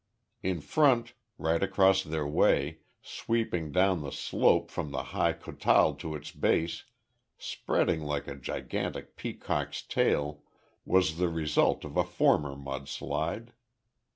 In front, right across their way, sweeping down the slope from the high kotal to its base, spreading like a gigantic peacock's tail, was the result of a former mud slide.